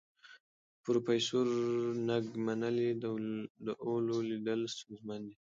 پروفیسور نګ منلې، د اولو لیدل ستونزمن دي.